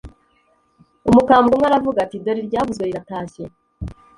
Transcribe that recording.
umukambwe umwe aravuga ati « dore iryavuzwe riratashye,